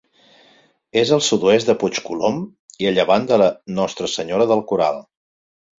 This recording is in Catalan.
És al sud-oest de Puig Colom i a llevant de Nostra Senyora del Coral.